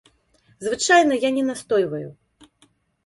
Звычайна я не настойваю.